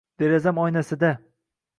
Derazam oynasida